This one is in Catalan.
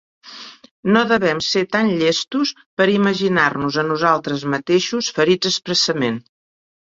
No devem ser tan llestos per imaginar-nos a nosaltres mateixos ferits expressament.